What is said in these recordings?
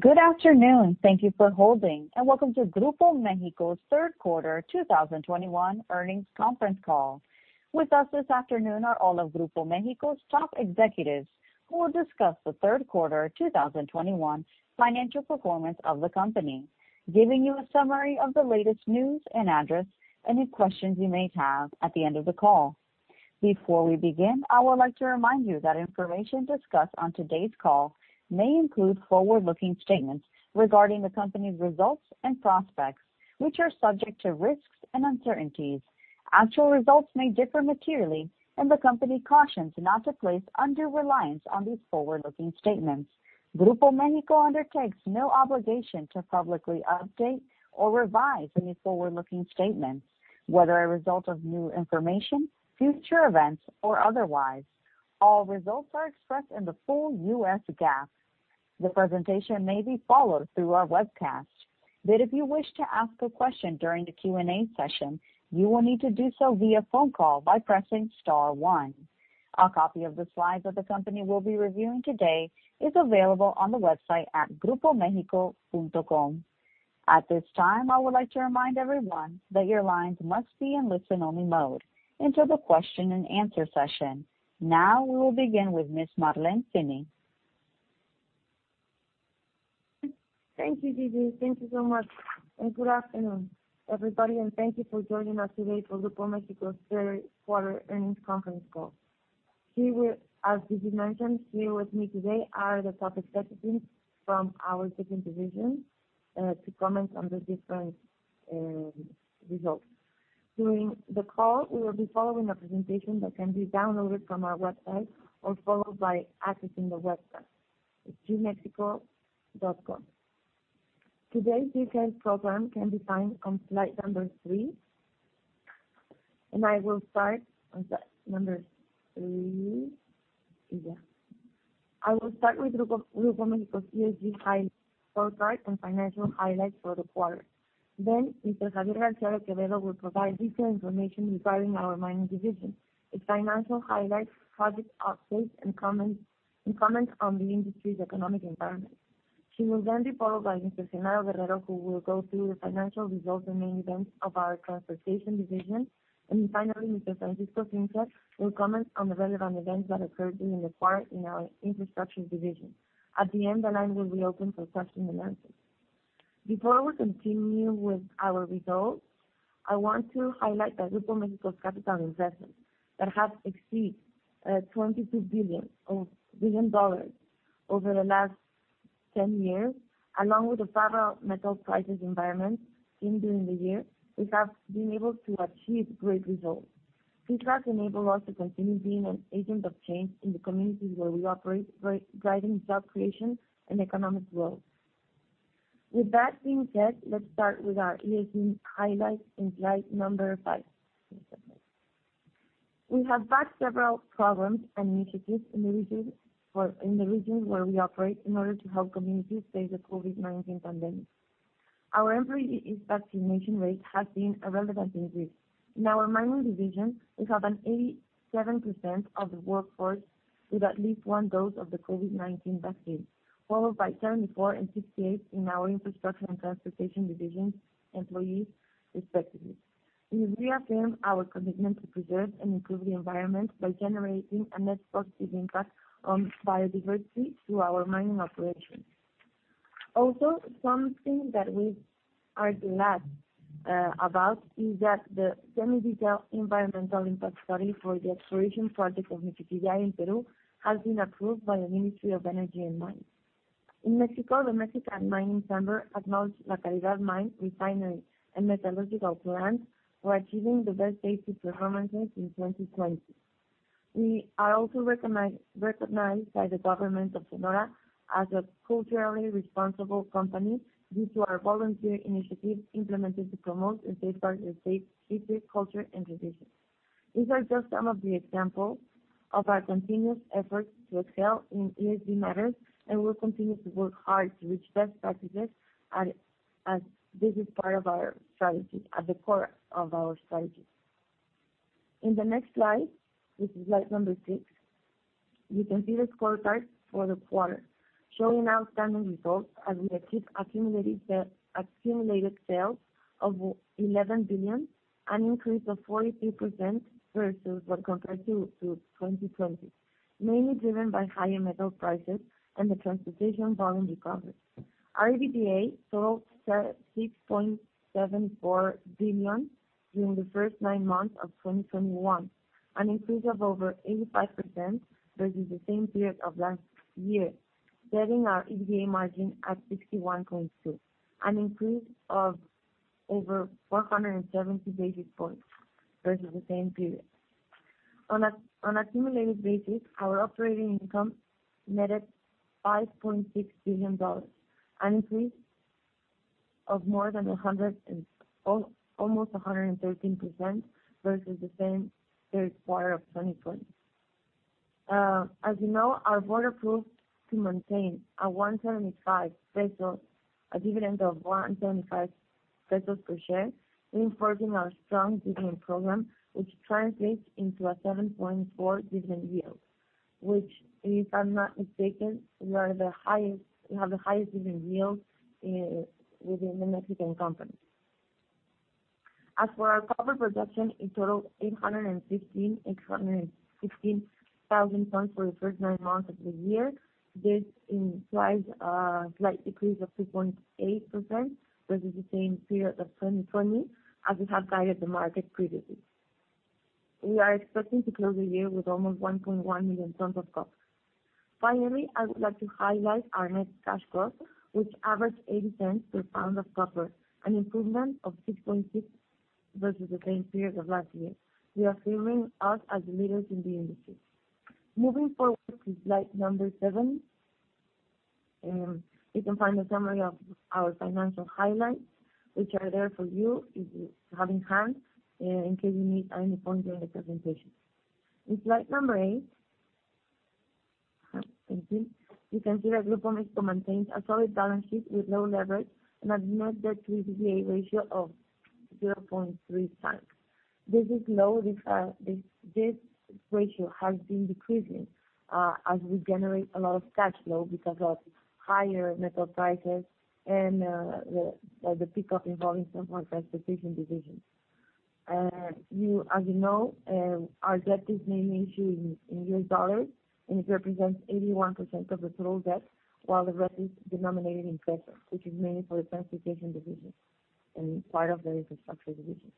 Good afternoon. Thank you for holding, and welcome to Grupo México's Third Quarter 2021 Earnings Conference Call. With us this afternoon are all of Grupo México's top executives, who will discuss the third quarter 2021 financial performance of the company, giving you a summary of the latest news and address any questions you may have at the end of the call. Before we begin, I would like to remind you that information discussed on today's call may include forward-looking statements regarding the company's results and prospects, which are subject to risks and uncertainties. Actual results may differ materially, and the company cautions not to place undue reliance on these forward-looking statements. Grupo México undertakes no obligation to publicly update or revise any forward-looking statements, whether a result of new information, future events, or otherwise. All results are expressed in the full U.S. GAAP. The presentation may be followed through our webcast, but if you wish to ask a question during the Q&A session, you will need to do so via phone call by pressing star one. A copy of the slides that the company will be reviewing today is available on the website at grupomexico.com. At this time, I would like to remind everyone that your lines must be in listen-only mode until the question and answer session. Now we will begin with Ms. Marlene Finny. Thank you, Gigi. Thank you so much. Good afternoon, everybody, and thank you for joining us today for Grupo México's third quarter earnings conference call. As Gigi mentioned, here with me today are the top executives from our different divisions to comment on the different results. During the call, we will be following a presentation that can be downloaded from our website or followed by accessing the website at gmexico.com. Today's detailed program can be found on slide number three, and I will start on slide number three. I will start with Grupo México's ESG highlights scorecard and financial highlights for the quarter. Then Mr. Xavier García de Quevedo will provide detailed information regarding our mining division, its financial highlights, project updates, and comments on the industry's economic environment. He will then be followed by Mr. Leonardo Contreras, who will go through the financial results and main events of our transportation division. Finally, Mr. Francisco Zinser will comment on the relevant events that occurred during the quarter in our infrastructure division. At the end, the line will be open for questions and answers. Before we continue with our results, I want to highlight that Grupo México's capital investments that have exceeded $22 billion over the last 10 years, along with the favorable metal prices environment seen during the year, we have been able to achieve great results. These results enable us to continue being an agent of change in the communities where we operate, driving job creation and economic growth. With that being said, let's start with our ESG highlights in slide number five. We have backed several programs and initiatives in the regions where we operate in order to help communities face the COVID-19 pandemic. Our employees' vaccination rate has seen a relevant increase. In our mining division, we have 87% of the workforce with at least one dose of the COVID-19 vaccine, followed by 74% and 68% in our infrastructure and transportation division employees respectively. We reaffirm our commitment to preserve and improve the environment by generating a net positive impact on biodiversity through our mining operations. Also, something that we are glad about is that the semi-detailed environmental impact study for the exploration project of Michiquillay in Peru has been approved by the Ministry of Energy and Mines. In Mexico, the Mexican Mining Chamber acknowledged La Caridad mine, refinery, and metallurgical plant for achieving the best safety performances in 2020. We are also recognized by the government of Sonora as a culturally responsible company due to our volunteer initiatives implemented to promote and safeguard the state's history, culture, and traditions. These are just some of the examples of our continuous efforts to excel in ESG matters, and we'll continue to work hard to reach best practices as this is part of our strategy, at the core of our strategy. In the next slide, which is slide number six, you can see the scorecard for the quarter, showing outstanding results as we achieve accumulated sales of $11 billion, an increase of 43% versus when compared to 2020, mainly driven by higher metal prices and the transportation volume recovery. Our EBITDA totaled $6.74 billion during the first nine months of 2021, an increase of over 85% versus the same period of last year, getting our EBITDA margin at 61.2%, an increase of over 470 basis points versus the same period. On accumulated basis, our operating income netted $5.6 billion, an increase of more than almost 113% versus the same third quarter of 2020. As you know, our board approved to maintain a 1.75 peso dividend of 1.5 pesos per share, reinforcing our strong dividend program, which translates into a 7.4% dividend yield, which if I'm not mistaken, we are the highest, we have the highest dividend yield within the Mexican company. As for our copper production, it totaled 815,000 tons for the first nine months of the year. This implies a slight decrease of 2.8% versus the same period of 2020, as we have guided the market previously. We are expecting to close the year with almost 1.1 million tons of copper. Finally, I would like to highlight our net cash cost, which averaged 0.80 per pound of copper, an improvement of 6.6% versus the same period of last year, reaffirming us as leaders in the industry. Moving forward to slide seven, you can find a summary of our financial highlights, which are there for you if you have in hand, in case you need any points during the presentation. In slide eight. Thank you. You can see that Grupo México maintains a solid balance sheet with low leverage and a net debt-to-EBITDA ratio of 0.3x. This is low. This ratio has been decreasing as we generate a lot of cash flow because of higher metal prices and the pickup in volume from our transportation division. As you know, our debt is mainly issued in U.S. dollars, and it represents 81% of the total debt, while the rest is denominated in peso, which is mainly for the transportation division and part of the infrastructure division.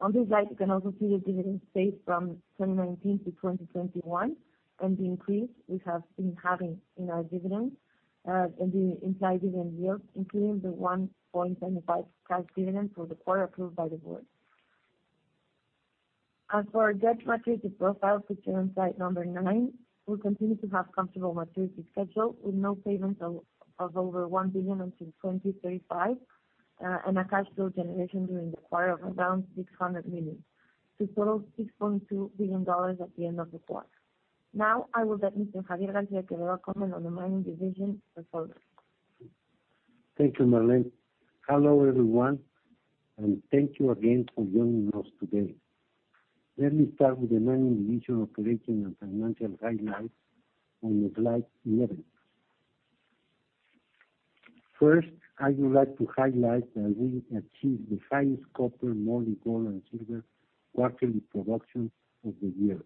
On this slide, you can also see the dividend paid from 2019 to 2021, and the increase we have been having in our dividend, and the implied dividend yield, including the 1.75 cash dividend for the quarter approved by the board. As for our debt maturity profile picture on slide nine, we continue to have comfortable maturity schedule with no payments of over $1 billion until 2035, and a cash flow generation during the quarter of around $600 million to total $6.2 billion at the end of the quarter. Now I will let Mr. Xavier García de Quevedo comment on the mining division performance. Thank you, Marlene. Hello, everyone, and thank you again for joining us today. Let me start with the mining division operation and financial highlights on slide 11. First, I would like to highlight that we achieved the highest copper, moly, gold, and silver quarterly production of the year.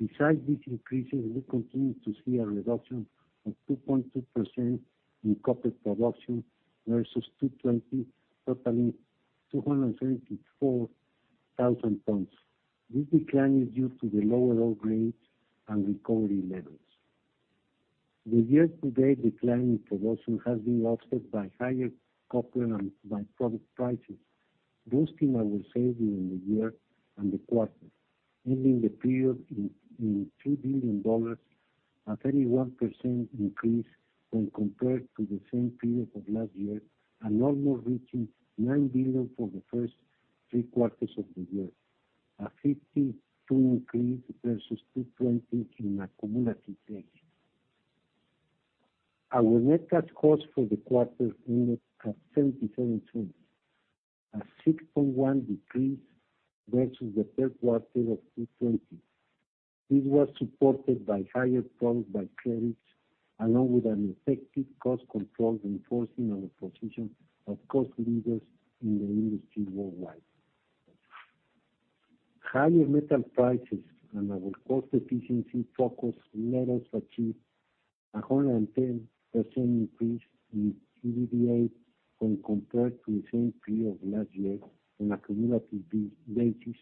Besides these increases, we continue to see a reduction of 2.2% in copper production versus 2020, totaling 274,000 tons. This decline is due to the lower ore grades and recovery levels. The year-to-date decline in production has been offset by higher copper and by-product prices, boosting our sales during the year and the quarter, ending the period in $2 billion, a 31% increase when compared to the same period of last year, and almost reaching $9 billion for the first three quarters of the year, a 52% increase versus 2020 on a cumulative basis. Our net cash costs for the quarter ended at $77.20, a 6.1% decrease versus the third quarter of 2020. This was supported by higher throughput by-product credits, along with an effective cost control reinforcing our position of cost leaders in the industry worldwide. Higher metal prices and our cost efficiency focus let us achieve a 110% increase in EBITDA when compared to the same period last year on a cumulative basis,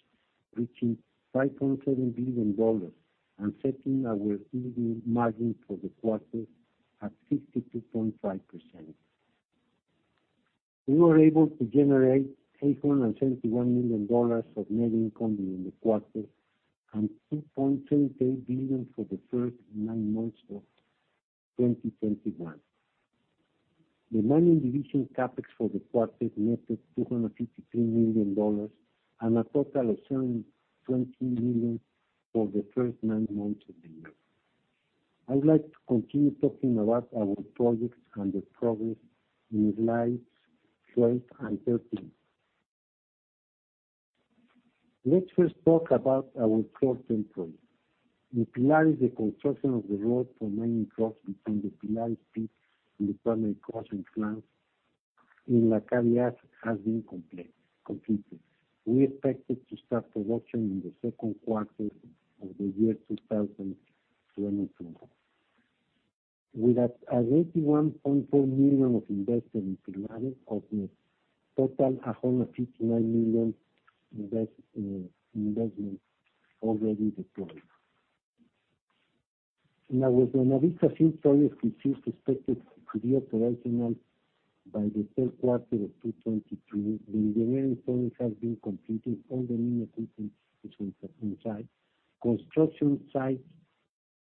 reaching $5.7 billion and setting our EBITDA margin for the quarter at 52.5%. We were able to generate $871 million of net income during the quarter and [inaudible] billion for the first nine months of 2021. The mining division CapEx for the quarter netted $253 million and a total of $720 million for the first nine months of the year. I would like to continue talking about our projects and their progress in slides 12 and 13. Let's first talk about our top 10 projects. In Pilar, the construction of the road for mining trucks between the Pilar pit and the primary crushing plant in the Caridad has been completed. We expected to start production in the second quarter of 2022. With an $81.4 million investment in Pilar of the total $159 million investment already deployed. In our Buenavista field project, which is expected to be operational by the third quarter of 2023, the engineering phase has been completed on the new [inaudible] inside. Construction sites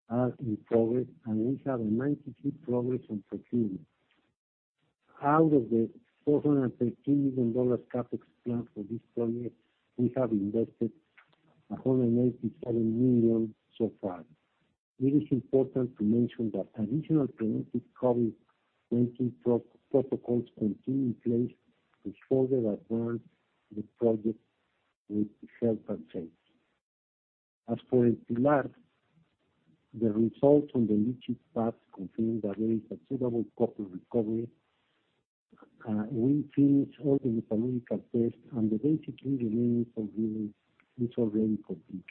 are in progress, and we have 93% progress on procurement. Out of the $413 million CapEx plan for this project, we have invested $187 million so far. It is important to mention that additional preventive COVID-19 protocols continue in place to further advance the project with health and safety. As for Pilar, the results on the leachates pad confirm that there is a suitable copper recovery. We finished all the metallurgical tests, and the basic engineering for this is already complete.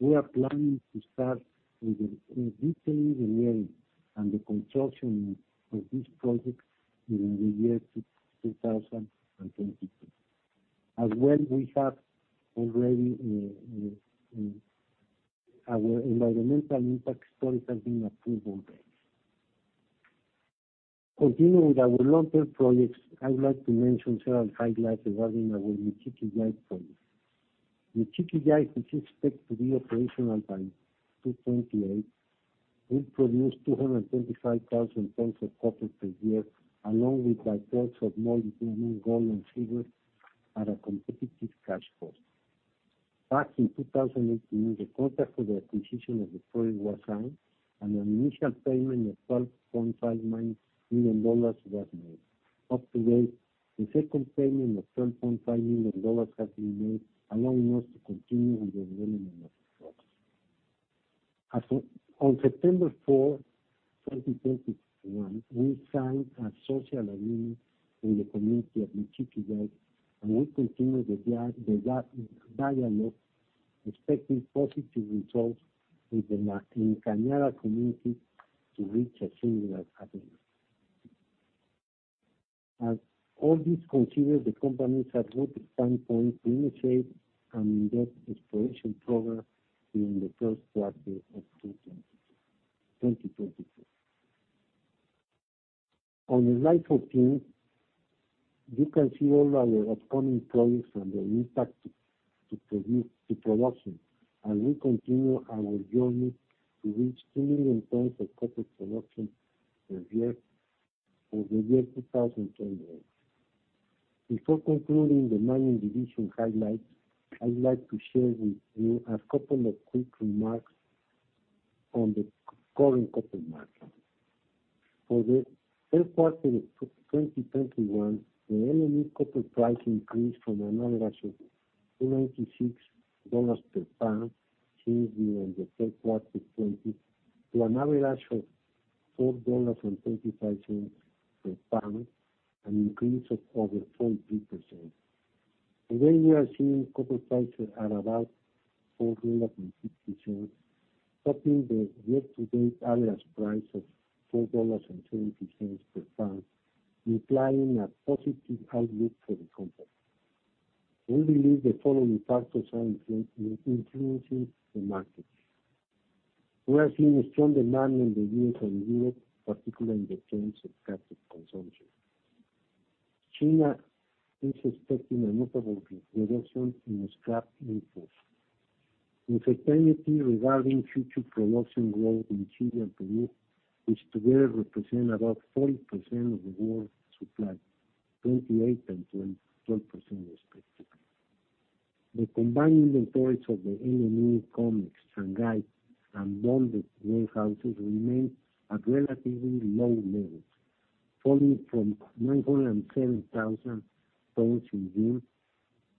We are planning to start with the detailed engineering and the construction of this project during the year 2022. As well, we have already our environmental impact study has been approved already. Continuing with our long-term projects, I would like to mention several highlights regarding our Michiquillay project. Michiquillay, which is expected to be operational by 2028, will produce 225,000 tons of copper per year, along with by-products of molybdenum, gold, and silver at a competitive cash cost. Back in 2018, the contract for the acquisition of the project was signed, and an initial payment of $12.5 million was made. To date, the second payment of $12.5 million has been made, allowing us to continue the development of the project. On September 4, 2021, we signed a social agreement with the community of Michiquillay, and we continue the dialogue, expecting positive results with the LA Encañada community to reach a similar agreement. As all this considers, the company is at good standpoint to initiate an in-depth exploration program during the first quarter of 2022. On slide 14, you can see all our upcoming projects and their impact to production as we continue our journey to reach 3 million tons of copper production per year for the year 2028. Before concluding the mining division highlights, I would like to share with you a couple of quick remarks on the current copper market. For the third quarter of 2021, the LME copper price increased from an average of $2.96 per pound seen during the third quarter 2020 to an average of $4.35 per pound, an increase of over 23%. Today, we are seeing copper prices at about $4.50, topping the year-to-date average price of $4.20 per pound, implying a positive outlook for the company. We believe the following factors are influencing the market. We are seeing a strong demand in the U.S. and Europe, particularly in terms of captive consumption. China is expecting a notable reduction in scrap imports. Uncertainty regarding future production growth in Chile and Peru, which together represent about 40% of the world supply, 28% and 12% respectively. The combined inventories of the LME, COMEX, Shanghai, and London warehouses remain at relatively low levels, falling from 907,000 tons in June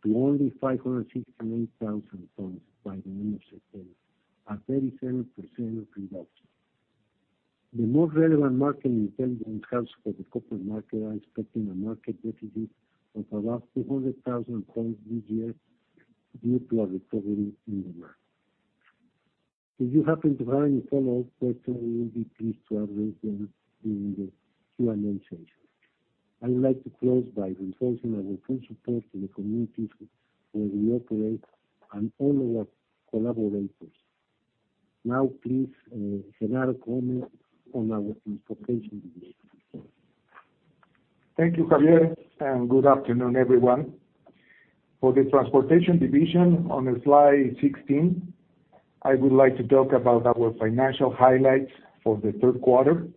to only 569,000 tons by the end of September, a 37% reduction. The most relevant market intelligence for the copper market are expecting a market deficit of about 300,000 tons this year due to a recovery in demand. If you happen to have any follow-up questions, we will be pleased to address them during the Q&A session. I would like to close by reinforcing our full support to the communities where we operate and all our collaborators. Now, please, Leonardo Contreras on our transportation division. Thank you. Thank you, Xavier, and good afternoon, everyone. For the Transportation division on slide 16, I would like to talk about our financial highlights for the third quarter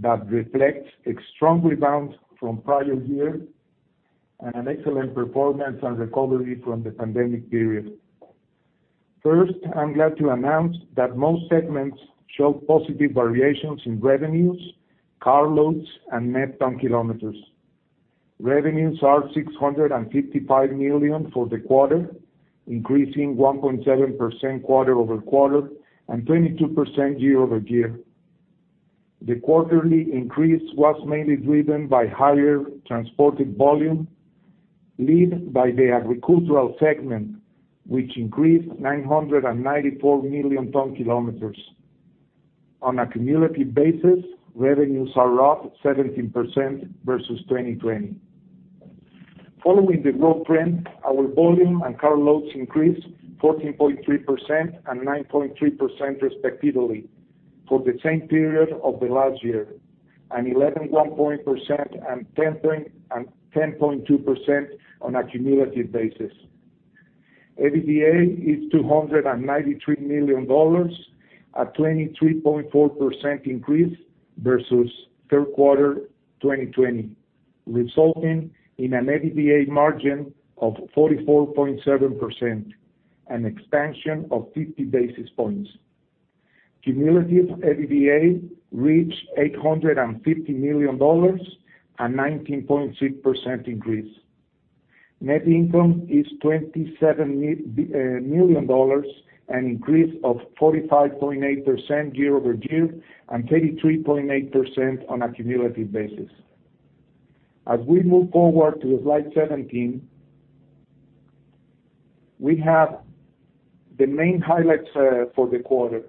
that reflects a strong rebound from prior year and an excellent performance and recovery from the pandemic period. First, I'm glad to announce that most segments showed positive variations in revenues, car loads, and net ton kilometers. Revenues are 655 million for the quarter, increasing 1.7% quarter-over-quarter and 22% year-over-year. The quarterly increase was mainly driven by higher transported volume, led by the agricultural segment, which increased 994 million ton kilometers. On a cumulative basis, revenues are up 17% versus 2020. Following the growth trend, our volume and car loads increased 14.3% and 9.3% respectively for the same period of the last year, and 11.1% and 10.2% on a cumulative basis. EBITDA is $293 million, a 23.4% increase versus third quarter 2020, resulting in an EBITDA margin of 44.7%, an expansion of 50 basis points. Cumulative EBITDA reached $850 million, a 19.6% increase. Net income is $27 million, an increase of 45.8% year-over-year, and 33.8% on a cumulative basis. As we move forward to slide 17, we have the main highlights for the quarter.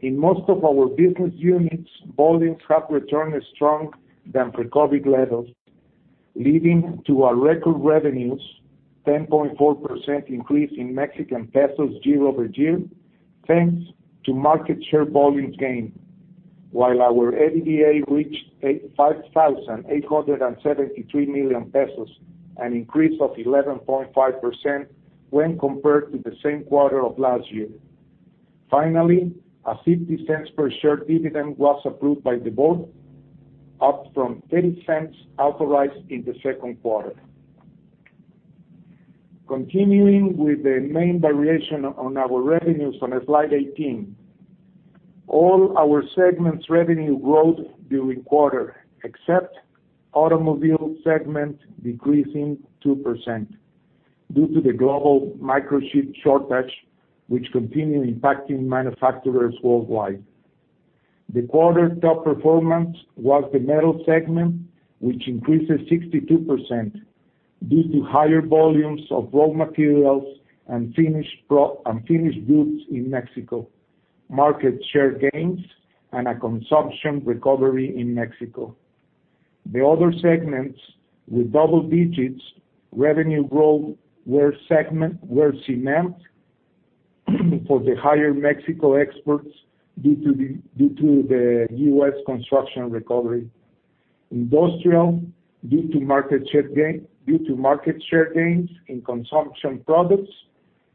In most of our business units, volumes have returned strong than pre-COVID levels, leading to our record revenues, 10.4% increase in mexican peso year-over-year, thanks to market share volume gain. Our EBITDA reached 5,873 million pesos, an increase of 11.5% when compared to the same quarter of last year. A 0.50 per share dividend was approved by the board, up from 0.10 authorized in the second quarter. Continuing with the main variation on our revenues on slide 18. All our segments revenue growth during quarter, except automobile segment decreasing 2% due to the global microchip shortage, which continue impacting manufacturers worldwide. The quarter top performance was the metal segment, which increased 62% due to higher volumes of raw materials and finished goods in Mexico, market share gains, and a consumption recovery in Mexico. The other segments with double digits revenue growth were cement for the higher Mexico exports due to the U.S. construction recovery. Industrial, due to market share gains in consumption products.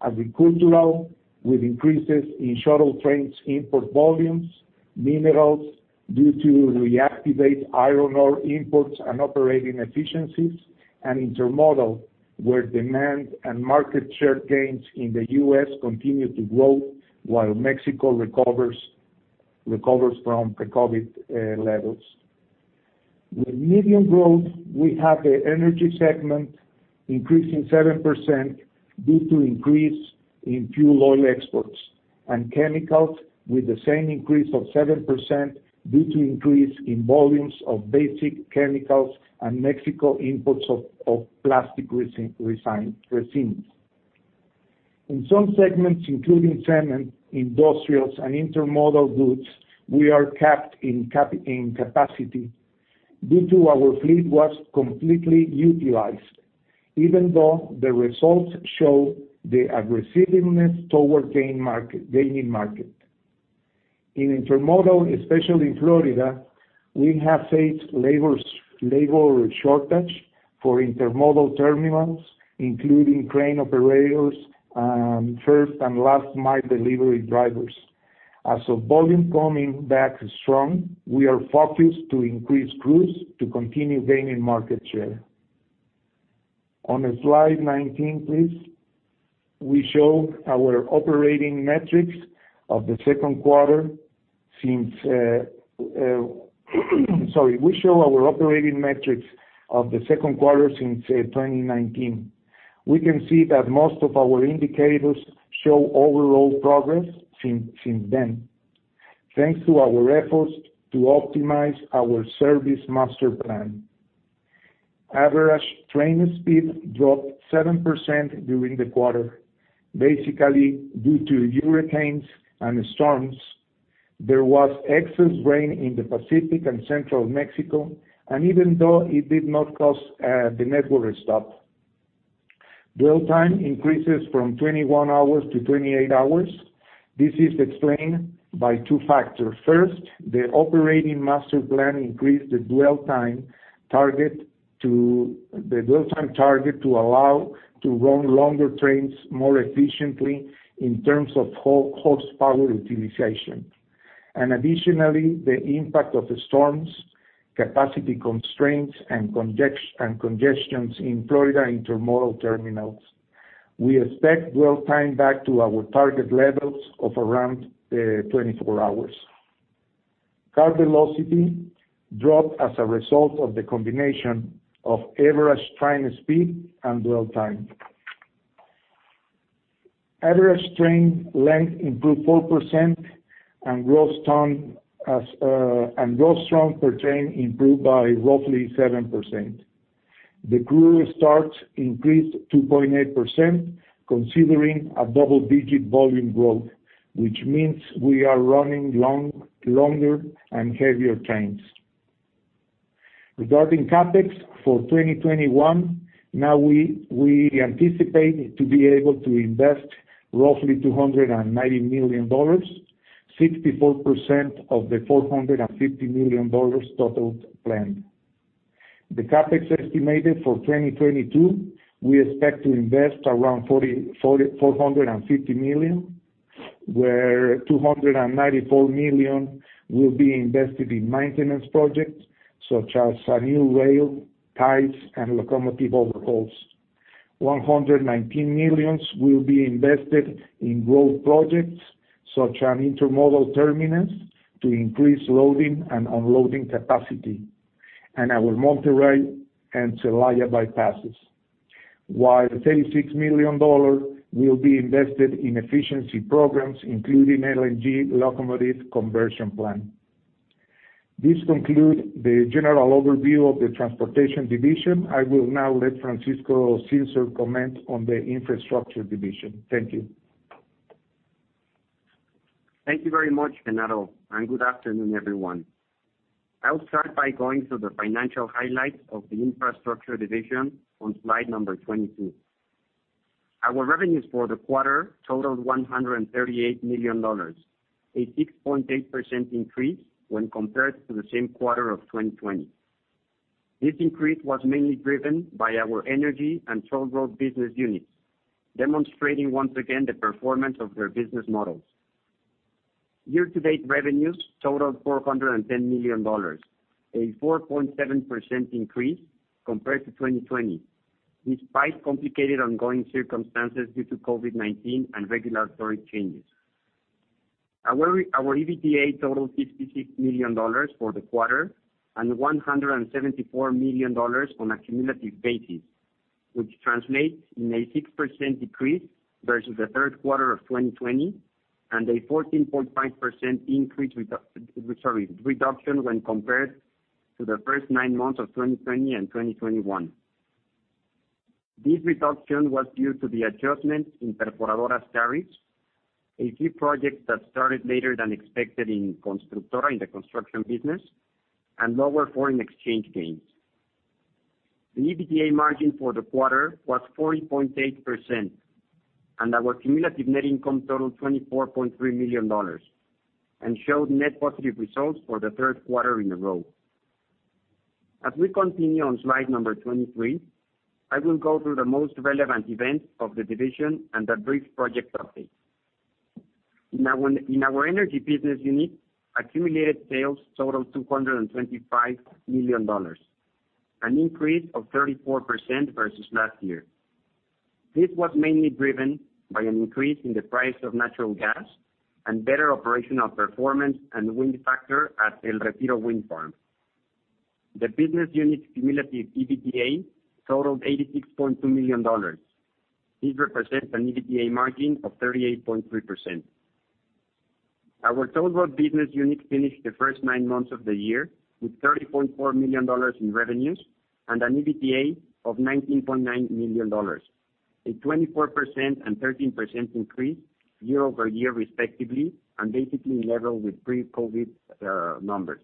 Agricultural, with increases in shuttle trains import volumes. Minerals, due to reactivate iron ore imports and operating efficiencies. And intermodal, where demand and market share gains in the U.S. continue to grow while Mexico recovers from pre-COVID levels. With medium growth, we have the energy segment increasing 7% due to increase in fuel oil exports. Chemicals with the same increase of 7% due to increase in volumes of basic chemicals and Mexico imports of plastic resins. In some segments, including cement, industrials, and intermodal goods, we are capped in capacity due to our fleet was completely utilized, even though the results show the aggressiveness toward gaining market. In intermodal, especially in Florida, we have faced labor shortage for intermodal terminals, including crane operators, first and last mile delivery drivers. As the volume coming back strong, we are focused to increase crews to continue gaining market share. On slide 19, please. We show our operating metrics of the second quarter since 2019. We can see that most of our indicators show overall progress since then, thanks to our efforts to optimize our service master plan. Average train speed dropped 7% during the quarter, basically due to hurricanes and storms. There was excess rain in the Pacific and Central Mexico, and even though it did not cause the network to stop. Dwell time increases from 21 hours to 28 hours. This is explained by two factors. First, the operating master plan increased the dwell time target to allow to run longer trains more efficiently in terms of horsepower utilization. Additionally, the impact of the storms, capacity constraints, and congestions in Florida intermodal terminals. We expect dwell time back to our target levels of around 24 hours. Car velocity dropped as a result of the combination of average train speed and dwell time. Average train length improved 4% and gross ton and gross ton per train improved by roughly 7%. The crew starts increased 2.8% considering a double-digit volume growth, which means we are running longer and heavier trains. Regarding CapEx for 2021, we anticipate to be able to invest roughly $290 million, 64% of the $450 million total planned. The CapEx estimated for 2022, we expect to invest around $450 million, where $294 million will be invested in maintenance projects such as a new rail, ties, and locomotive overhauls. $119 million will be invested in growth projects such as an intermodal terminus to increase loading and unloading capacity. Our Monterrey and Celaya bypasses. While $36 million will be invested in efficiency programs, including LNG locomotive conversion plan. This conclude the general overview of the Transportation division. I will now let Francisco Zinser comment on the Infrastructure division. Thank you. Thank you very much, Leonardo, and good afternoon, everyone. I'll start by going through the financial highlights of the Infrastructure division on slide number 22. Our revenues for the quarter totaled $138 million, a 6.8% increase when compared to the same quarter of 2020. This increase was mainly driven by our energy and toll road business units, demonstrating once again the performance of their business models. Year-to-date revenues totaled $410 million, a 4.7% increase compared to 2020, despite complicated ongoing circumstances due to COVID-19 and regulatory changes. Our EBITDA totaled $56 million for the quarter and $174 million on a cumulative basis, which translates to a 6% decrease versus the third quarter of 2020 and a 14.5% reduction when compared to the first nine months of 2020 and 2021. This reduction was due to the adjustments in Perforadora's tariffs, a few projects that started later than expected in Constructora, in the construction business, and lower foreign exchange gains. The EBITDA margin for the quarter was 40.8%, and our cumulative net income totaled $24.3 million and showed net positive results for the third quarter in a row. As we continue on slide 23, I will go through the most relevant events of the division and a brief project update. In our energy business unit, accumulated sales totaled $225 million, an increase of 34% versus last year. This was mainly driven by an increase in the price of natural gas and better operational performance and wind factor at El Retiro Wind Farm. The business unit cumulative EBITDA totaled $86.2 million. This represents an EBITDA margin of 38.3%. Our toll road business unit finished the first nine months of the year with $30.4 million in revenues and an EBITDA of $19.9 million, a 24% and 13% increase year-over-year, respectively, and basically level with pre-COVID numbers.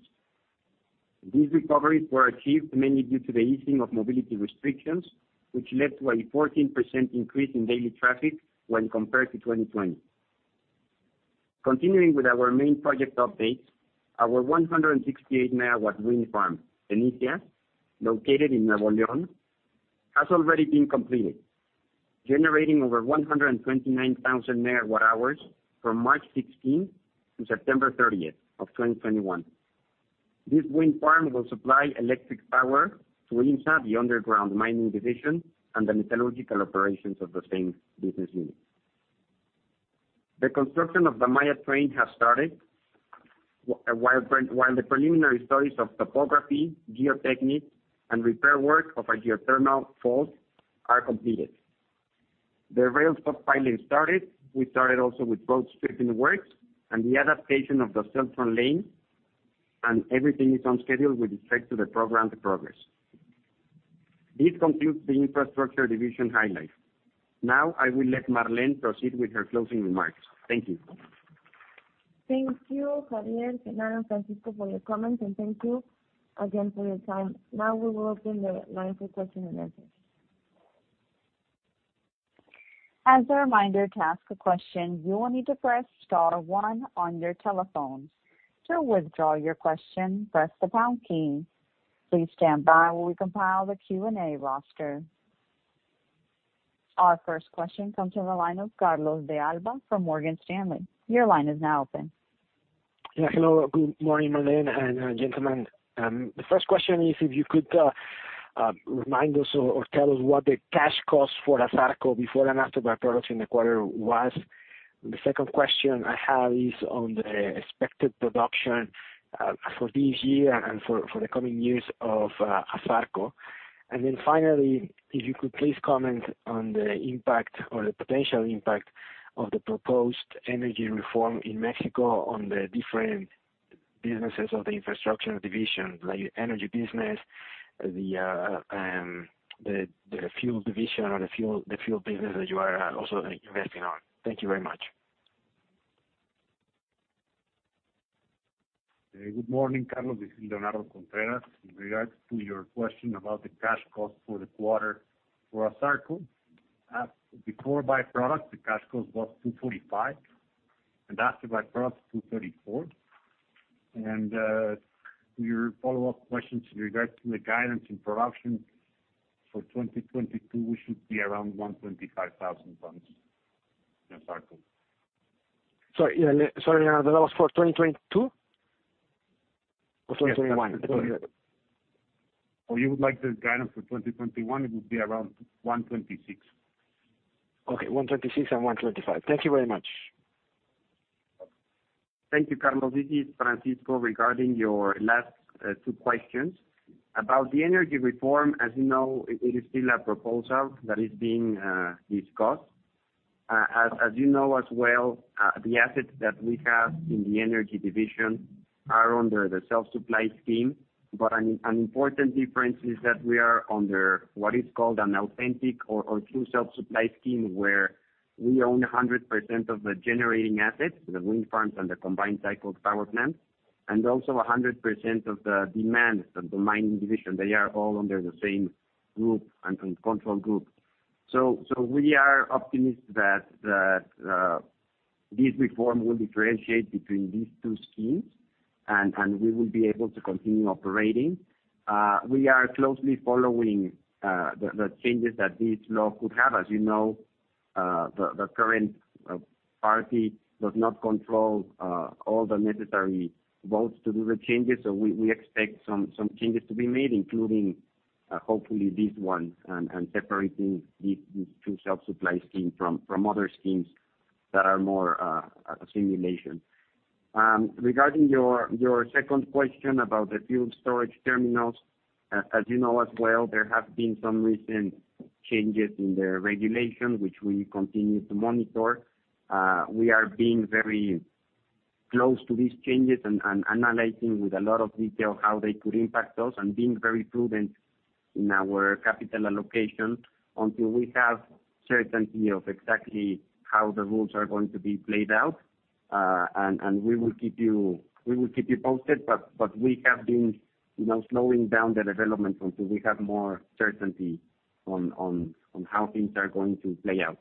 These recoveries were achieved mainly due to the easing of mobility restrictions, which led to a 14% increase in daily traffic when compared to 2020. Continuing with our main project updates, our 168-MW wind farm, Fenicias, located in Nuevo León, has already been completed, generating over 129,000 MWh from March 16 to September 30th, 2021. This wind farm will supply electric power to IMMSA, the underground mining division, and the metallurgical operations of the same business unit. The construction of the Maya Train has started while the preliminary studies of topography, geotechniques, and repair work of a geothermal fault are completed. The rail stockpiling started. We also started with road striping works and the adaptation of the central lane, and everything is on schedule with respect to the programmed progress. This concludes the Infrastructure division highlights. Now, I will let Marlene proceed with her closing remarks. Thank you. Thank you, Xavier, Leonardo, Francisco, for your comments, and thank you again for your time. Now, we will open the line for questions and answers. As a reminder, to ask a question, you will need to press star one on your telephones. To withdraw your question, press the pound key. Please stand by while we compile the Q&A roster. Our first question comes from the line of Carlos de Alba from Morgan Stanley. Your line is now open. Yeah, hello. Good morning, Marlene and gentlemen. The first question is if you could remind us or tell us what the cash costs for ASARCO before and after by-products in the quarter was. The second question I have is on the expected production for this year and for the coming years of ASARCO. Finally, if you could please comment on the impact or the potential impact of the proposed energy reform in Mexico on the different businesses of the Infrastructure division, like energy business, the fuel division or the fuel business that you are also investing on. Thank you very much. Good morning, Carlos. This is Leonardo Contreras. In regards to your question about the cash costs for the quarter for ASARCO, before by-product, the cash cost was $2.45. That's about perhaps 234. Your follow-up question in regards to the guidance in production for 2022, we should be around 125,000 tons. That's our goal. Sorry, yeah. Sorry, that was for 2022? Or 2021? If you would like the guidance for 2021, it would be around 126. Okay. 126 and 125. Thank you very much. Thank you, Carlos. This is Francisco regarding your last two questions. About the energy reform, as you know, it is still a proposal that is being discussed. As you know as well, the assets that we have in the energy division are under the self-supply scheme. An important difference is that we are under what is called an authentic or true self-supply scheme, where we own 100% of the generating assets, the wind farms and the combined-cycle power plant, and also 100% of the demands of the mining division. They are all under the same group and control group. We are optimistic that this reform will differentiate between these two schemes and we will be able to continue operating. We are closely following the changes that this law could have. As you know, the current party does not control all the necessary votes to do the changes. We expect some changes to be made, including hopefully these ones and separating these two self-supply scheme from other schemes that are more assimilative. Regarding your second question about the fuel storage terminals, as you know as well, there have been some recent changes in the regulation, which we continue to monitor. We are being very close to these changes and analyzing with a lot of detail how they could impact us and being very prudent in our capital allocation until we have certainty of exactly how the rules are going to be played out. We will keep you posted, but we have been, you know, slowing down the development until we have more certainty on how things are going to play out.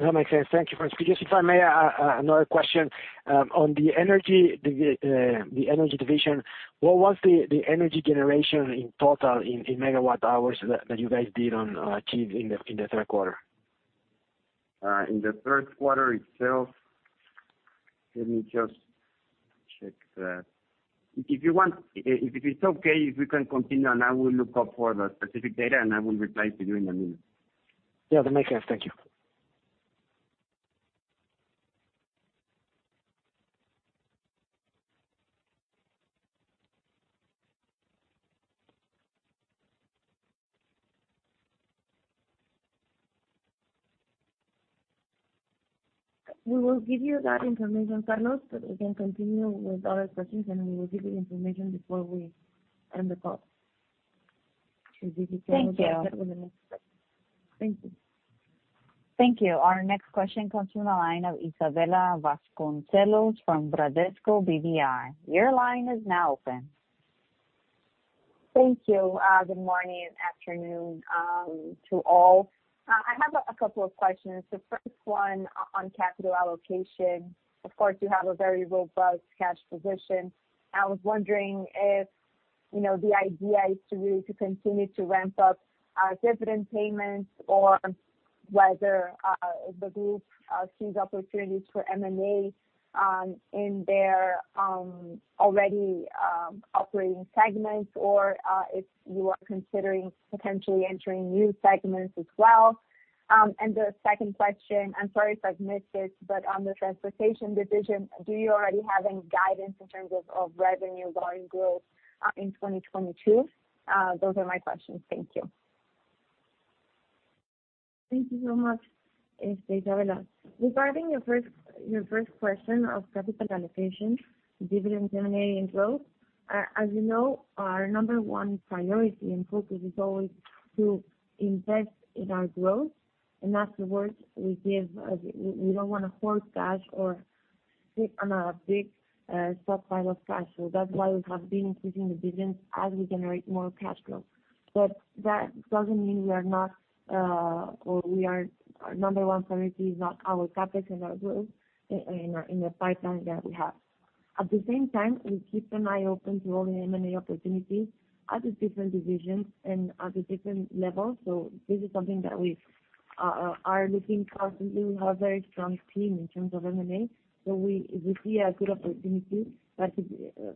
That makes sense. Thank you, Francisco. If I may, another question on the energy division. What was the energy generation in total in megawatt-hours that you guys did achieve in the third quarter? In the third quarter itself, let me just check that. If you want, if it's okay, if we can continue and I will look up for the specific data, and I will reply to you in a minute. Yeah, that makes sense. Thank you. We will give you that information, Carlos, but we can continue with other questions, and we will give you the information before we end the call. Thank you. With the next question. Thank you. Thank you. Our next question comes from the line of Isabella Vasconcelos from Bradesco BBI. Your line is now open. Thank you. Good morning, afternoon, to all. I have a couple of questions. The first one on capital allocation. Of course, you have a very robust cash position. I was wondering if, you know, the idea is to really continue to ramp up dividend payments or whether the group sees opportunities for M&A in their already operating segments or if you are considering potentially entering new segments as well. The second question, I'm sorry if I've missed it, but on the transportation division, do you already have any guidance in terms of revenue volume growth in 2022? Those are my questions. Thank you. Thank you so much, Isabella. Regarding your first question of capital allocation, dividend generating growth, as you know, our number one priority and focus is always to invest in our growth. Afterwards, we don't wanna hoard cash or sit on a big stockpile of cash. That's why we have been increasing the business as we generate more cash flow. That doesn't mean our number one priority is not our CapEx and our growth in the pipeline that we have. At the same time, we keep an eye open to all the M&A opportunities at the different divisions and at the different levels. This is something that we are looking constantly. We have very strong team in terms of M&A. If we see a good opportunity,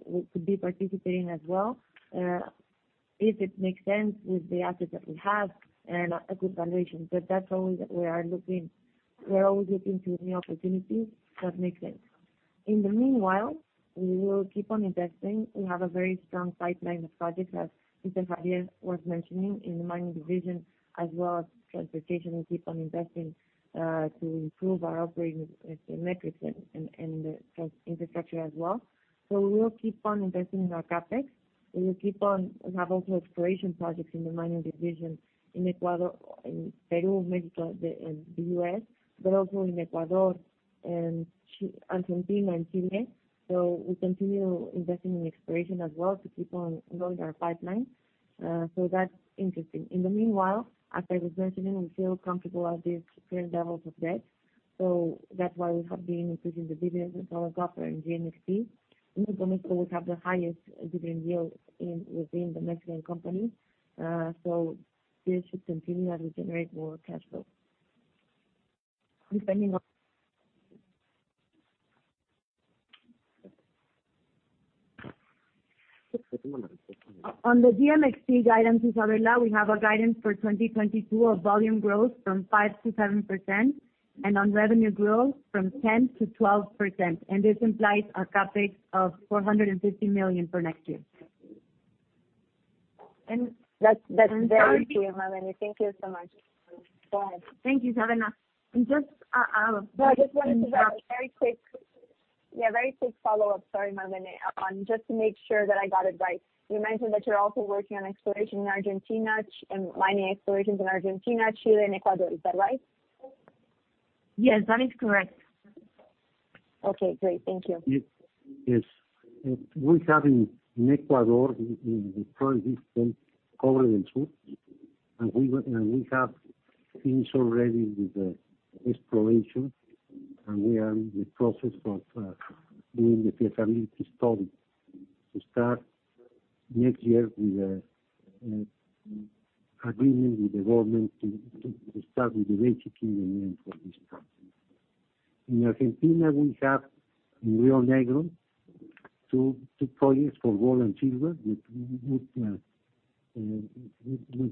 we could be participating as well, if it makes sense with the assets that we have and a good valuation. We are always looking to new opportunities that make sense. In the meanwhile, we will keep on investing. We have a very strong pipeline of projects, as Xavier was mentioning, in the mining division as well as transportation. We keep on investing to improve our operating metrics and infrastructure as well. We will keep on investing in our CapEx. We have also exploration projects in the mining division in Ecuador, in Peru, Mexico, the U.S., but also in Ecuador and Argentina and Chile. We continue investing in exploration as well to keep on growing our pipeline. That's interesting. In the meanwhile, as I was mentioning, we feel comfortable at these current levels of debt, so that's why we have been increasing the dividends of [Southern Copper] and GMXT. In, [inaudible] we have the highest dividend yield within the Mexican companies. This should continue as we generate more cash flow. Depending on. On the GMXT guidance, Isabella, we have a guidance for 2022 of volume growth from 5%-7%, and on revenue growth from 10%-12%. This implies a CapEx of $450 million for next year. That's very clear, Marlene. Thank you so much. Go ahead. Thank you, Isabella. No, I just wanted to get a very quick follow-up. Sorry, Marlene. Just to make sure that I got it right. You mentioned that you're also working on exploration in Argentina and mining explorations in Argentina, Chile, and Ecuador. Is that right? Yes, that is correct. Okay, great. Thank you. Yes. Yes. We have in Ecuador, in the current system, copper and gold. We have finished already with the exploration, and we are in the process of doing the feasibility study to start next year with agreement with the government to start with the for this project. In Argentina, we have in Río Negro, two projects for gold and silver with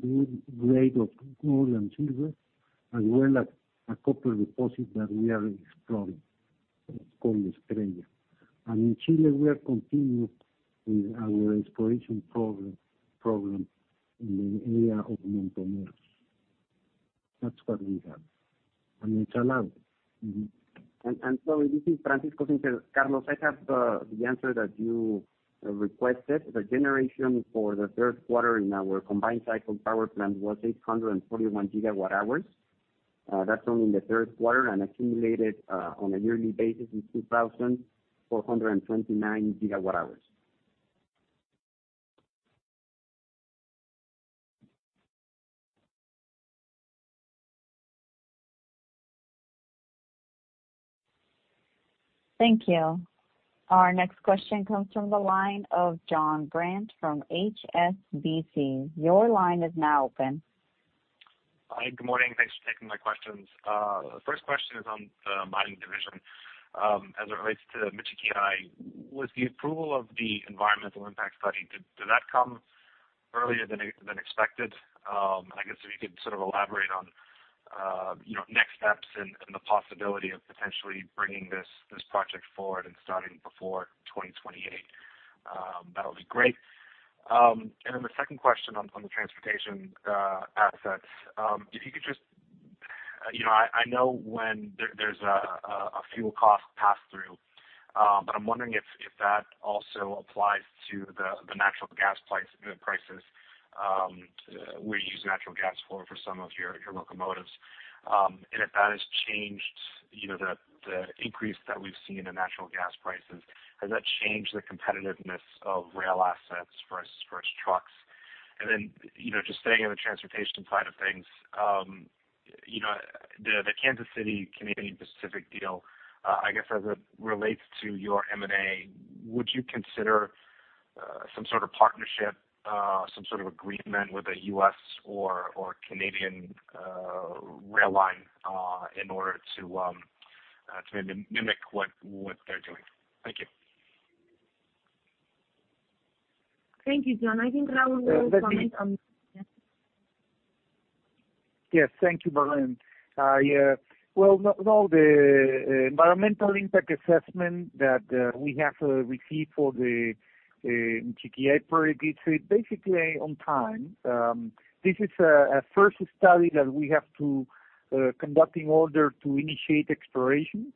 good grade of gold and silver, as well as a copper deposit that we are exploring, it's called Estrella. In Chile, we are continuing with our exploration program in the area of Montemeros. That's what we have. Sorry, this is Francisco Zinser. Carlos, I have the answer that you requested. The generation for the third quarter in our combined-cycle power plant was 841 GWh. That's only in the third quarter and accumulated on a yearly basis is 2,429 GWh. Thank you. Our next question comes from the line of Jon Brandt from HSBC. Your line is now open. Hi. Good morning. Thanks for taking my questions. The first question is on the mining division, as it relates to Michiquillay. With the approval of the environmental impact study, did that come earlier than expected? I guess if you could sort of elaborate on, you know, next steps and the possibility of potentially bringing this project forward and starting before 2028, that'll be great. The second question on the transportation assets, if you could just. You know, I know when there's a fuel cost pass-through, but I'm wondering if that also applies to the natural gas prices, where you use natural gas for some of your locomotives. If that has changed, you know, the increase that we've seen in natural gas prices, has that changed the competitiveness of rail assets versus trucks? Then, you know, just staying on the transportation side of things, you know, the Kansas City Canadian Pacific deal, I guess as it relates to your M&A, would you consider some sort of partnership, some sort of agreement with a U.S. or Canadian rail line, in order to mimic what they're doing? Thank you. Thank you, Jon Brandt. I think Raul will comment on this. Yes. Yes. Thank you, Marlene. Well, no, the environmental impact assessment that we have received for the Michiquillay project, it's basically on time. This is a first study that we have to conduct in order to initiate exploration.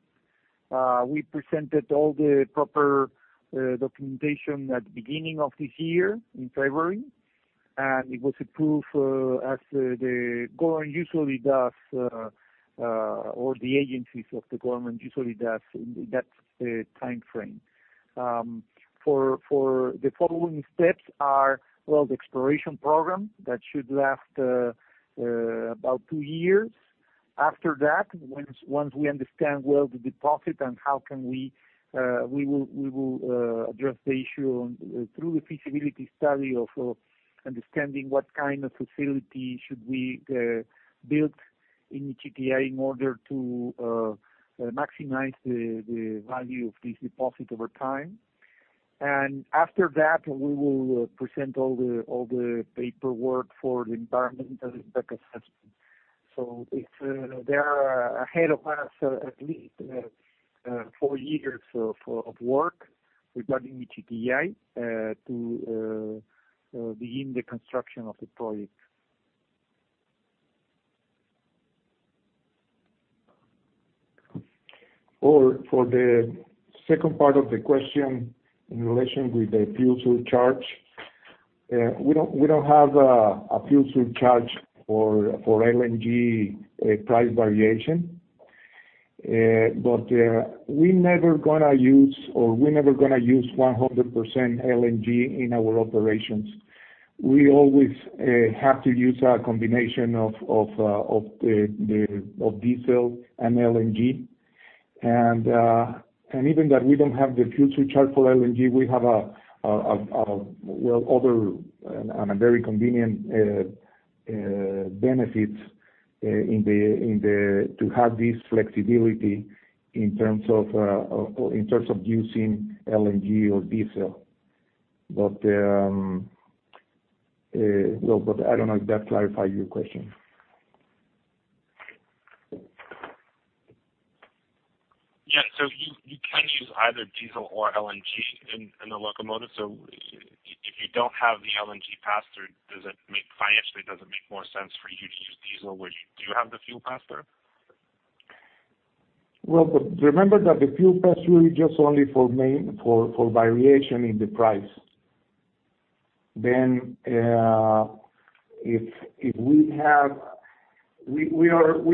We presented all the proper documentation at the beginning of this year in February, and it was approved as the government usually does or the agencies of the government usually does in that timeframe. For the following steps, well, the exploration program that should last about two years. After that, once we understand well the deposit and how we will address the issue through the feasibility study of understanding what kind of facility we should build in Michiquillay in order to maximize the value of this deposit over time. After that, we will present all the paperwork for the environmental impact assessment. If there are ahead of us at least four years of work regarding Michiquillay to begin the construction of the project. For the second part of the question in relation with the fuel surcharge, we don't have a fuel surcharge for LNG price variation. We never gonna use 100% LNG in our operations. We always have to use a combination of diesel and LNG. Even that we don't have the fuel surcharge for LNG. We have another very convenient benefit to have this flexibility in terms of using LNG or diesel. No, but I don't know if that clarified your question. You can use either diesel or LNG in the locomotive. If you don't have the LNG pass through, does it financially make more sense for you to use diesel? Which do you have the fuel pass through? Remember that the fuel pass through is just only for variation in the price. If we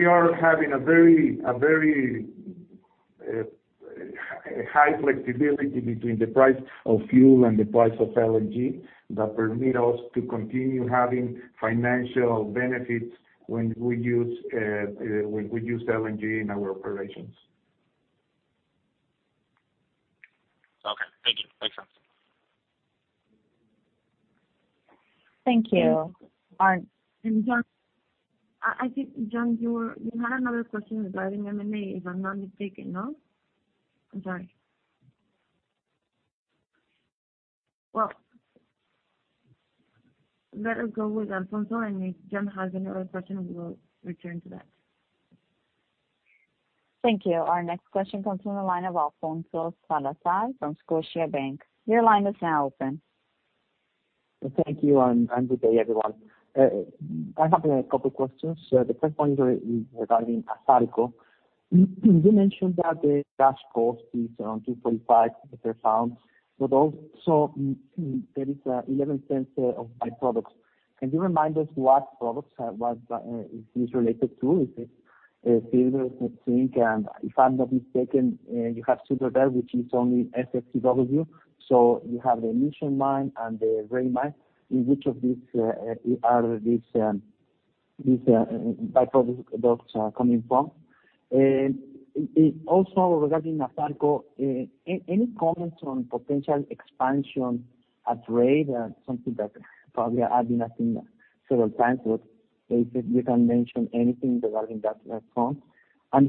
are having a very high flexibility between the price of fuel and the price of LNG that permit us to continue having financial benefits when we use LNG in our operations. Okay. Thank you. Makes sense. Thank you. All right. Jon, I think you had another question regarding M&A, if I'm not mistaken, no? I'm sorry. Well, let us go with Alfonso, and if Jon has any other question, we will return to that. Thank you. Our next question comes from the line of Alfonso Salazar from Scotiabank. Your line is now open. Thank you, and good day, everyone. I have a couple questions. The first one is regarding ASARCO. You mentioned that the cash cost is around $2.5 per pound, but also there is $0.11 of byproducts. Can you remind us what products, what it is related to? Is it silver, zinc? If I'm not mistaken, you have Silver Bell which is only SX-EW. You have the Mission mine and the Ray mine. In which of these are these by-products coming from? Also regarding ASARCO, any comments on potential expansion at Ray? Something that probably has been asked several times, but if you can mention anything regarding that front.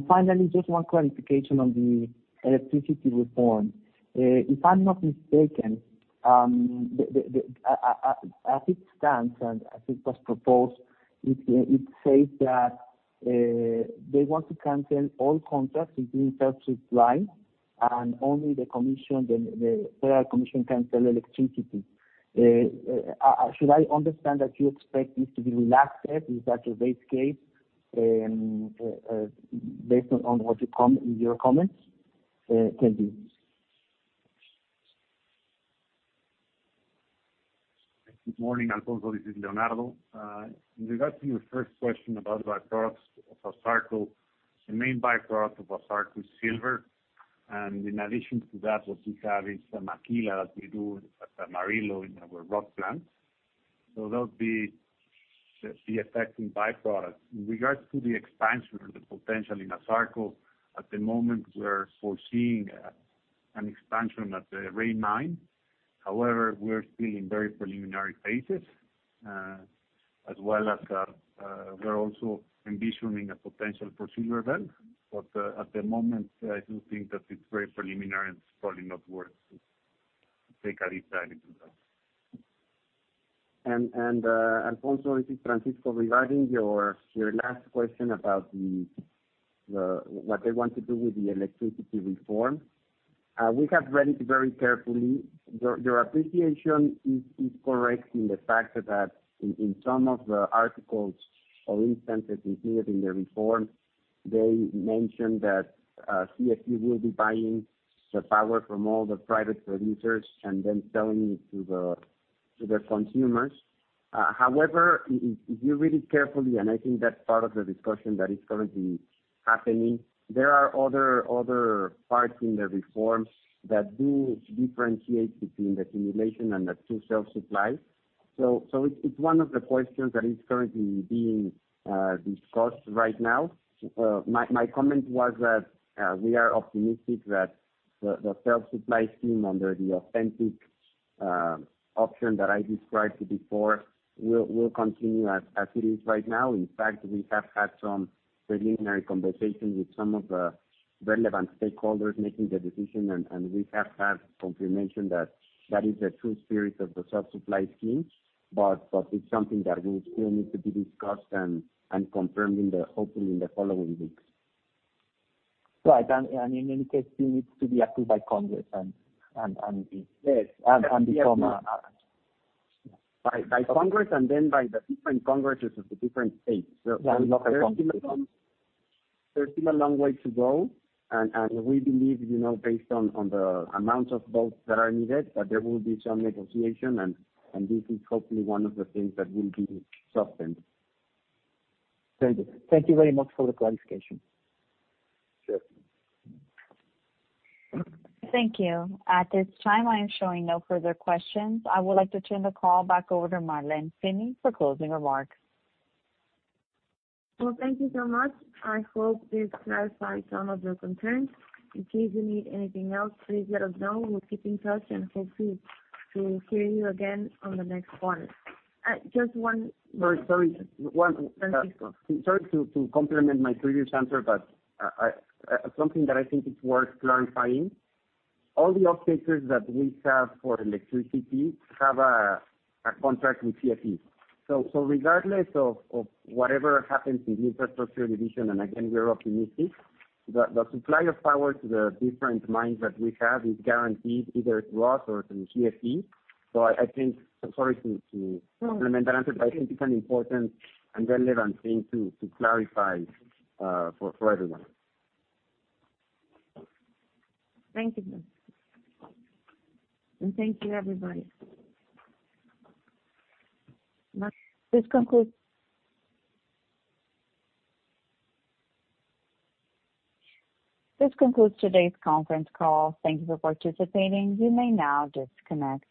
Finally, just one clarification on the electricity reform. If I'm not mistaken, as it stands and as it was proposed, it says that they want to cancel all contracts between self-supply and only the Federal Commission can sell electricity. Should I understand that you expect this to be relaxed then? Is that your base case, based on your comments? Thank you. Good morning, Alfonso. This is Leonardo. In regards to your first question about byproducts of ASARCO, the main byproduct of ASARCO is silver. In addition to that, what we have is some moly sales we do at the Amarillo in our rod plant. That would be the other byproducts. In regards to the expansion or the potential in ASARCO, at the moment, we're foreseeing an expansion at the Ray Mine. However, we're still in very preliminary phases, as well as we're also envisioning a potential project. At the moment, I do think that it's very preliminary and it's probably not worth to take our time into that. Alfonso, this is Francisco. Regarding your last question about what they want to do with the electricity reform, we have read it very carefully. Your appreciation is correct in the fact that in some of the articles or instances included in the reform, they mentioned that CFE will be buying the power from all the private producers and then selling it to the consumers. However, if you read it carefully, and I think that's part of the discussion that is currently happening, there are other parts in the reforms that do differentiate between the simulation and the true self-supply. It's one of the questions that is currently being discussed right now. My comment was that we are optimistic that the self-supply scheme under the authentic option that I described before will continue as it is right now. In fact, we have had some preliminary conversations with some of the relevant stakeholders making the decision, and we have had confirmation that that is the true spirit of the self-supply scheme. It's something that will still need to be discussed and confirmed hopefully in the following weeks. Right. In any case, it needs to be approved by Congress. Yes. Become. By Congress and then by the different congresses of the different states. Yeah. There's still a long way to go. We believe, you know, based on the amount of votes that are needed, that there will be some negotiation, and this is hopefully one of the things that will be softened. Thank you. Thank you very much for the clarification. Sure. Thank you. At this time, I am showing no further questions. I would like to turn the call back over to Marlene Finny for closing remarks. Well, thank you so much. I hope this clarifies some of your concerns. In case you need anything else, please let us know. We'll keep in touch and hopefully to hear you again on the next quarter. Just one- Sorry. Francisco. Sorry to complement my previous answer, but something that I think it's worth clarifying. All the offtakers that we have for electricity have a contract with CFE. Regardless of whatever happens in the infrastructure division, and again, we're optimistic, the supply of power to the different mines that we have is guaranteed either through us or through CFE. I think it's an important and relevant thing to clarify for everyone. Thank you. Thank you, everybody. This concludes today's conference call. Thank you for participating. You may now disconnect.